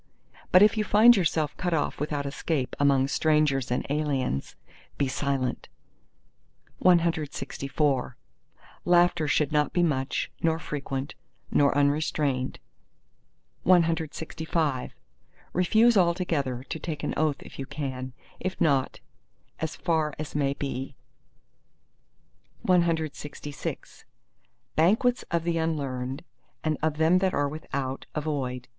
But if you find yourself cut off without escape among strangers and aliens, be silent. CLXV Laughter should not be much, nor frequent, nor unrestrained. CLXVI Refuse altogether to take an oath if you can, if not, as far as may be. CLXVII Banquets of the unlearned and of them that are without, avoid.